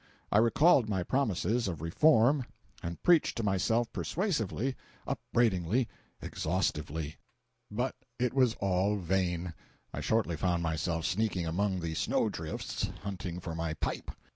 I recalled my promises of reform and preached to myself persuasively, upbraidingly, exhaustively. But it was all vain, I shortly found myself sneaking among the snow drifts hunting for my pipe.